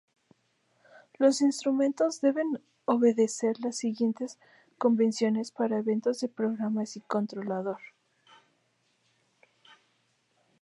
Los instrumentos deben obedecer las siguientes convenciones para eventos de programa y controlador.